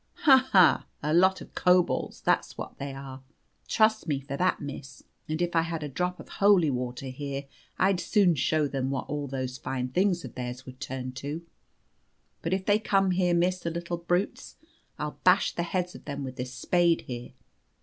Ha! ha! A lot of kobolds, that's what they are, trust me for that, Miss. And if I had a drop of holy water here I'd soon show you what all those fine things of theirs would turn to. But if they come here, the little brutes, I'll bash the heads of them with this spade here."